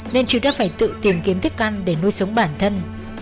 nên chị đã phải tự tìm kiếm thức ăn để nuôi sống bản thân